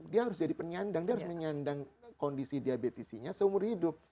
dia harus jadi penyandang dia harus menyandang kondisi diabetesnya seumur hidup